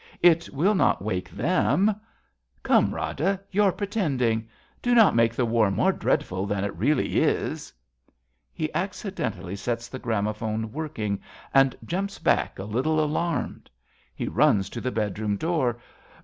It will not wake them. .,. Come, Rada, you're pretending ! Do not make The war more dreadful than it really is. {He accidentally sets the gramophone working and jurnps back, a little alarmed. He runs to the bedroom, door.)